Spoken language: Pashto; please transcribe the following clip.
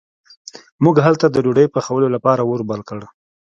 موږ هلته د ډوډۍ پخولو لپاره اور بل کړ.